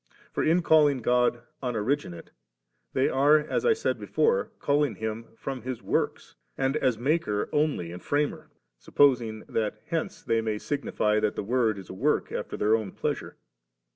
For, in calling God unoriginate, they are, as I said before, calling Him from His works, and as Maker only and Framer, supposing that hence they may signify that the Word is a work after their own pleasure.